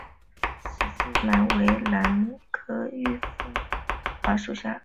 十字兰为兰科玉凤花属下的一个种。